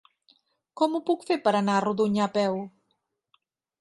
Com ho puc fer per anar a Rodonyà a peu?